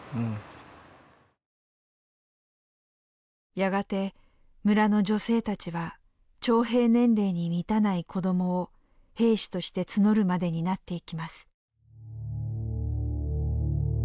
やがて村の女性たちは徴兵年齢に満たない子供を兵士として募るまでになっていきます。